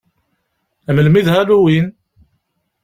Melmi i d Halloween?